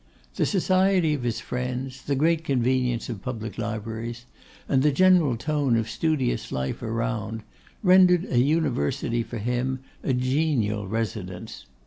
The society of his friends, the great convenience of public libraries, and the general tone of studious life around, rendered an University for him a genial residence.